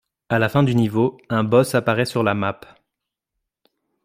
À la fin du niveau un boss apparait sur la map.